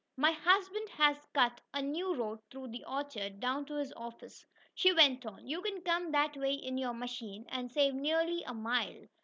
"My husband has cut a new road through the orchard, down to his office," she went on. "You can come that way in your machine, and save nearly a mile."